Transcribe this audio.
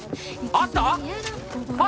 あった！？